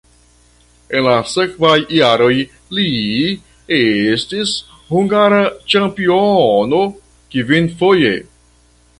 En la sekvaj jaroj li estis hungara ĉampiono kvinfoje.